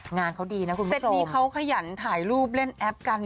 งานเขาดีนะคุณผู้ชมเสร็จนี้เขาขยันถ่ายรูปเล่นแอปกัน